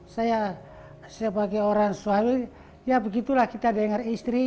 saya sebagai orang suami ya begitulah kita dengar istri